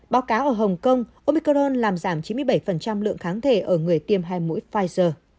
báo cáo ở hồng kông omicron làm giảm chín mươi bảy lượng kháng thể ở người tiêm hai mũi pfizer